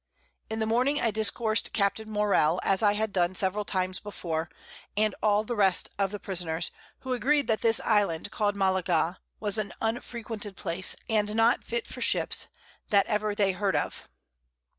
In the Morning I discours'd Captain Morrel, as I had done several Times before, and all the rest of the Prisoners, who agreed that this Island, call'd Malaga, was an unfrequented Place, and not fit for Ships, that ever they heard of.